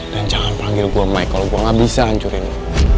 dan jangan panggil gue mike kalau gue gak bisa hancurin lu